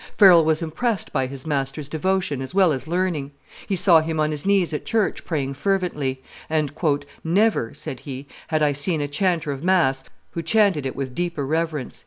Farel was impressed by his master's devotion as well as learning; he saw him on his knees at church praying fervently; and, "Never," said he, "had I seen a chanter of mass who chanted it with deeper reverence."